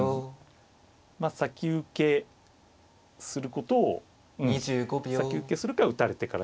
まあ先受けすることをうん先受けするか打たれてから逃げるか。